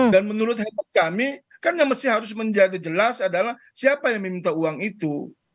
dan menurut kami kan yang harus menjadi jelas adalah siapa yang minta uang itu